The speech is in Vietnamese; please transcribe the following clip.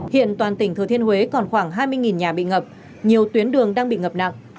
hiện toàn tỉnh thừa thiên huế còn khoảng hai mươi nhà bị ngập nhiều tuyến đường đang bị ngập nặng